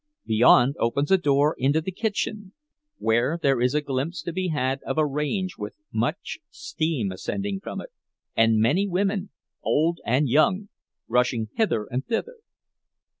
Beyond opens a door into the kitchen, where there is a glimpse to be had of a range with much steam ascending from it, and many women, old and young, rushing hither and thither.